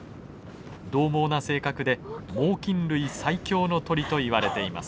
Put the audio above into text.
獰猛な性格で猛禽類最強の鳥といわれています。